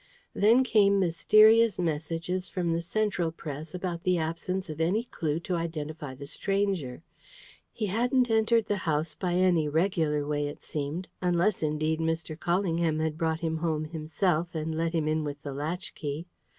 Then came mysterious messages from the Central Press about the absence of any clue to identify the stranger. He hadn't entered the house by any regular way, it seemed; unless, indeed, Mr. Callingham had brought him home himself and let him in with the latchkey.